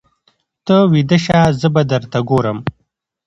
ته ویده شه زه به درته ګورم.